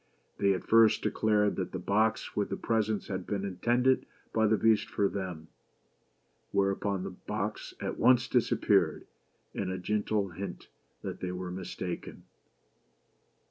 They at first declared that the box with the presents had been intended by the Beast for them ; whereupon the box at once disappeared, as a gentle hint that they were mistaken.